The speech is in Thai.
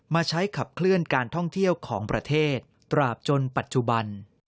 มาใช้ขับเคลื่อนการท่องเที่ยวของประเทศตราบจนปัจจุบัน